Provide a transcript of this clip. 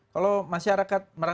kalau masyarakat menilai